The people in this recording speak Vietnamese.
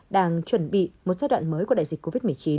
đang chuẩn bị một giai đoạn mới của đại dịch covid một mươi chín